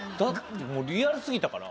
リアルすぎたから。